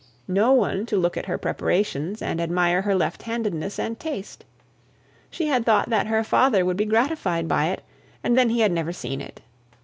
No one to look at her preparations, and admire her deft handedness and taste! She had thought that her father would be gratified by it, and then he had never seen it.